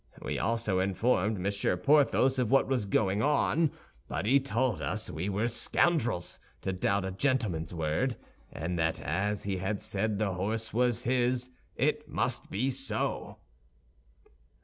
We also informed Monsieur Porthos of what was going on; but he told us we were scoundrels to doubt a gentleman's word, and that as he had said the horse was his, it must be so."